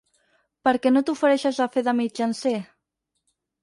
Per què no t'ofereixes a fer de mitjancer?